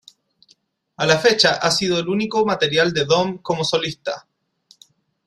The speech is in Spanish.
A la fecha ha sido el único material de Domm como solista.